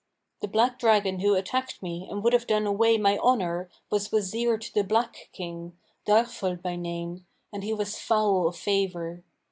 The black dragon who attacked me and would have done away my honour was Wazir to the Black King, Darfнl by name, and he was foul of favour.